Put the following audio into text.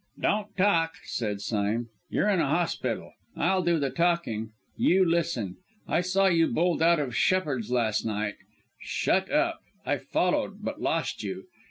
"Don't talk!" said Sime, "you're in hospital! I'll do the talking; you listen. I saw you bolt out of Shepheard's last night shut up! I followed, but lost you.